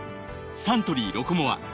サントリー「ロコモア」